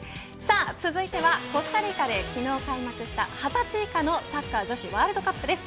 続いてはコスタリカで昨日開幕した２０歳以下のサッカー女子ワールドカップです。